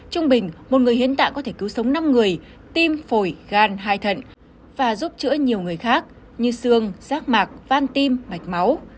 trung bình một người hiến tạ có thể cứu sống năm người tim phổi gan hai thận và giúp chữa nhiều người khác như xương rác mạc van tim mạch máu